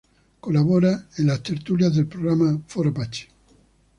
Colabora en las tertulias del programa Fort Apache.